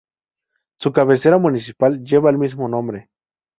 Su cabecera municipal lleva el mismo nombre.